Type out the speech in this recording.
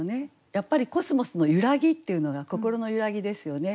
やっぱりコスモスの揺らぎっていうのが心の揺らぎですよね。